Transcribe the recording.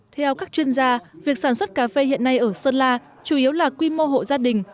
theo các chuyên gia việc sản xuất cà phê hiện nay ở sơn la chủ yếu là quy mô hộ gia đình